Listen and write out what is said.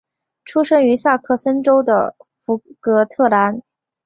出生于萨克森州的福格特兰。